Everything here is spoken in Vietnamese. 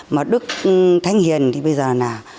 mà đức thanh hiền thì bây giờ là